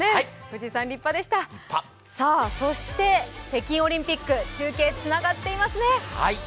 そして、北京オリンピック中継つながっていますね。